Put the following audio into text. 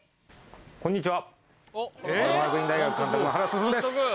こんにちは。